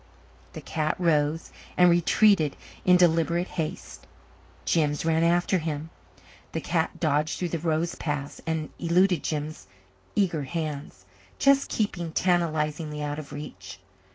The cat rose and retreated in deliberate haste; Jims ran after him. The cat dodged through the rose paths and eluded Jims' eager hands, just keeping tantalizingly out of reach.